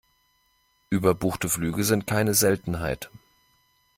Überbuchte Flüge sind keine Seltenheit.